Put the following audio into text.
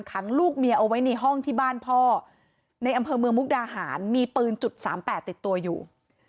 ขังลูกเมียเอาไว้ในห้องที่บ้านพ่อในอำเภอเมืองมุกดาหารมีปืนจุดสามแปดติดตัวอยู่